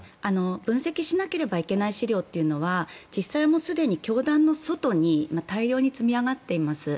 分析しなければいけない資料というのは実際すでに教団の外に大量に積み上がっています。